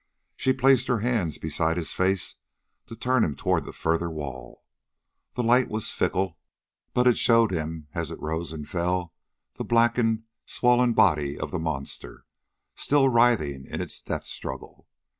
She placed her hands beside his face to turn him toward the further wall. The light was fickle, but it showed him, as it rose and fell, the blackened, swollen body of the monster, still writhing in its death struggle.